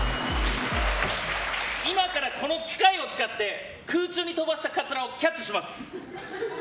今からこの機械を使って空中に飛ばしたカツラをキャッチします。